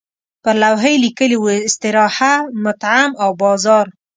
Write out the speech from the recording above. پر لوحه یې لیکلي وو استراحه، مطعم او بازار.